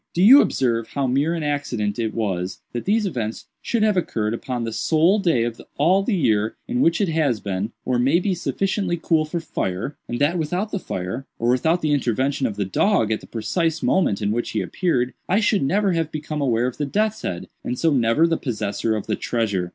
Do you observe how mere an accident it was that these events should have occurred upon the sole day of all the year in which it has been, or may be, sufficiently cool for fire, and that without the fire, or without the intervention of the dog at the precise moment in which he appeared, I should never have become aware of the death's head, and so never the possessor of the treasure?"